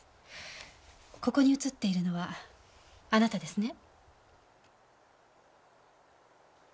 ここに映っているのはあなたですね？